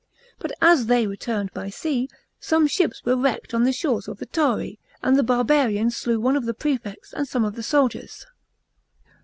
But as they returned by sea, some ships were wrecked on the shores of the Tauri, and the barbarians slew one of the prefects and some of the soldier*.